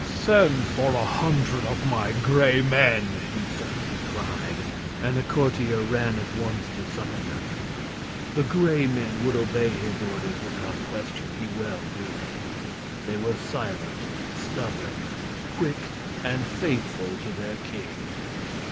"Send for a hundred of my Gray Men!" he suddenly cried; and a courtier ran at once to summon them. The Gray Men would obey his orders without question, he well knew. They were silent, stubborn, quick, and faithful to their king.